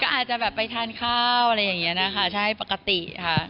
อาจจะแบบไปทานข้าวอะไรอย่างนี้นะคะใช่ปกติค่ะ